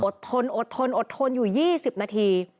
อดทนอดทนอยู่๒๐นาที